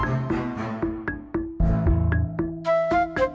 akang senang buat tak